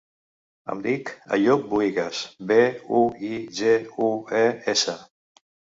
Em dic Àyoub Buigues: be, u, i, ge, u, e, essa.